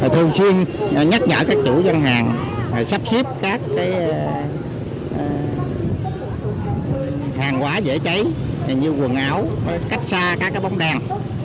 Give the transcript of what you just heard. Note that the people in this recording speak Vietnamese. thường xuyên nhắc nhở các chủ dân hàng sắp xếp các hàng hóa dễ cháy như quần áo cách xa các bóng đèn